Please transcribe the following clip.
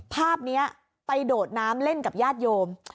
ภาพนี้ไปโดดน้ำเล่นกับญาติโยม